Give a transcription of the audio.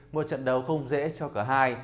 một trận đấu không dễ cho cả hai